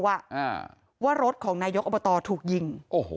ว่ารถของนายกอบตถูกยิงโอ้โห